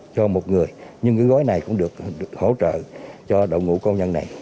cho một người nhưng cái gói này cũng được hỗ trợ cho đội ngũ công nhân này